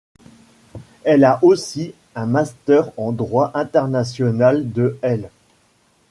Elle a aussi un master en Droit international de l’.